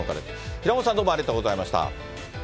平本さん、どうもありがとうございました。